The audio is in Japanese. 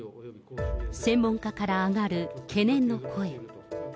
専門家から上がる懸念の声。